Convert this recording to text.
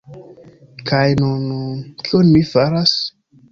Kaj nun... kion mi faras?